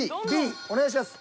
お願いします。